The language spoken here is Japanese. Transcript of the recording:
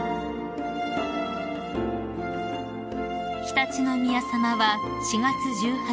［常陸宮さまは４月１８日